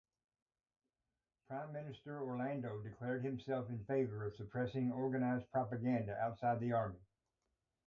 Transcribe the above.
Prime Minister Orlando declared himself in favor of suppressing organized propaganda outside the army.